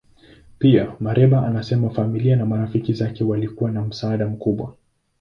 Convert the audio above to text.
Pia, Mereba anasema familia na marafiki zake walikuwa na msaada mkubwa.